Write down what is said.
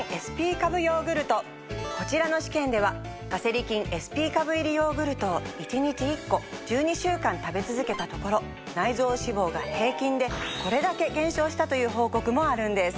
こちらの試験では「ガセリ菌ＳＰ株」入りヨーグルトを１日１個１２週間食べ続けたところ内臓脂肪が平均でこれだけ減少したという報告もあるんです。